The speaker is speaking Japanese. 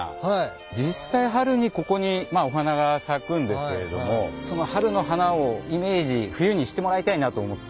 実際春にここにお花が咲くんですけれどもその春の花をイメージ冬にしてもらいたいなと思って。